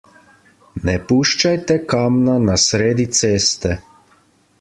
Ne puščajte kamna na sredi ceste.